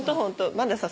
まださ